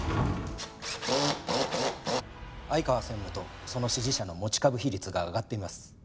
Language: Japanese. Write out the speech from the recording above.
相川専務とその支持者の持ち株比率が上がっています。